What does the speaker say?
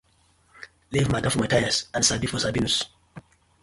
Leave mata for Mathias and Sabi for Sabinus: